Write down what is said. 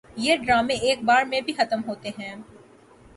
یہ ڈرامے ایک بار میں بھی ختم ہوتے ہیں